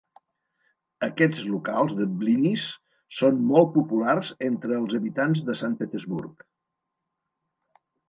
Aquests locals de blinis són molt populars entre els habitants de Sant Petersburg.